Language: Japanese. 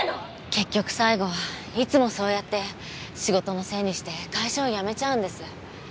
結局最後はいつもそうやって仕事のせいにして会社を辞めちゃうんです。